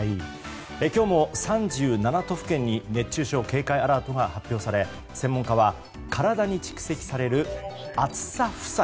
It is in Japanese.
今日も３７都府県に熱中症警戒アラートが発表され専門家は体に蓄積される暑さ負債。